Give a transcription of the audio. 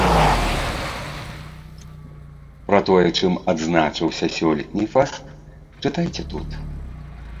Пра тое, чым адзначыўся сёлетні фэст, чытайце тут!